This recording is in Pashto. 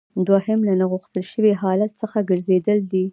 دوهم له نه غوښتل شوي حالت څخه ګرځیدل دي.